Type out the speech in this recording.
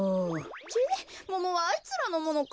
ちぇっモモはあいつらのものか。